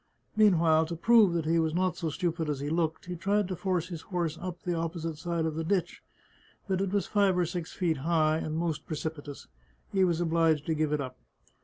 Meanwhile, to prove that he was not so stupid as he looked, he tried to force his horse up the opposite side of the ditch, but it was five or six feet high, and most precipitous. He was obliged to give it up.